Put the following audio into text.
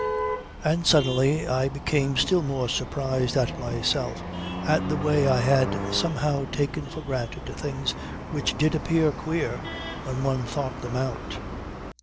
And suddenly I became still more surprised at myself, at the way I had somehow taken for granted things which did appear queer when one thought them out.